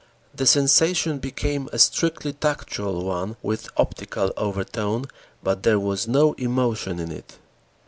The sensation became a strictly tactual one with optical overtone, but there was no emotion in it.